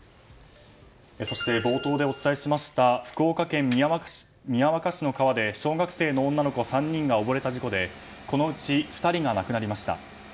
そして、冒頭でお伝えしました福岡県宮若市の川で小学生の女の子３人が溺れた事故でこのうち２人が亡くなりました。